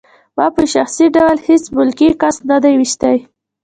ما په شخصي ډول هېڅ ملکي کس نه دی ویشتی